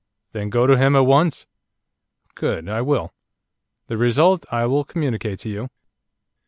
'Then go to him at once.' 'Good. I will. The result I will communicate to you.